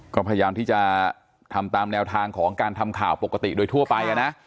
ก็พยายามที่จะทำตามแนวทางของการทำข่าวปกติโดยทั่วไปนะ